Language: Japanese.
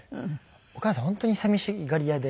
お母さん本当に寂しがり屋で。